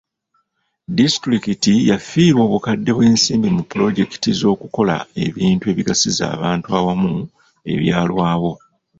Disitulikiti yafiirwa obukadde bw'ensimbi mu pulojekiti z'okukola ebintu ebigasiza abantu awamu ebyalwawo.